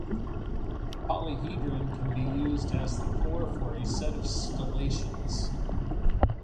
This polyhedron can be used as the core for a set of stellations.